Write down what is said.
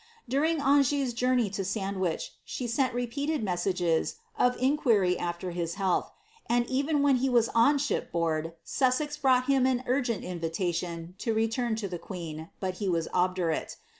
During Anjou's journey to Sandwich, she sent repeated messages of inquiry after his health, and even when he was on ship board, Sussex brought him an urgent invita tion to return to the queen, but he was obdurate.